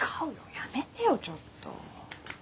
やめてよちょっと！